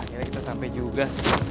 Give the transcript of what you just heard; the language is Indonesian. akhirnya kita sampe juga